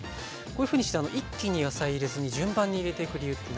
こういうふうにして一気に野菜入れずに順番入れていく理由って何かあるんですか？